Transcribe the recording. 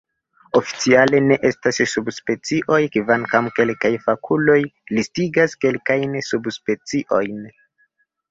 Oficiale, ne estas subspecioj, kvankam kelkaj fakuloj listigas kelkajn subspeciojn.